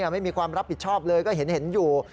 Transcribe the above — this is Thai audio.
ไม่มีความรับผิดชอบเลยก็เห็นอยู่